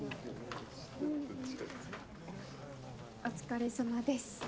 お疲れさまです。